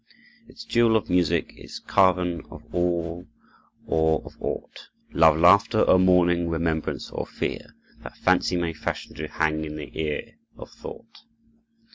"Its jewel of music is carven of all or of aught— Love, laughter, or mourning—remembrance or fear— That fancy may fashion to hang in the ear of thought.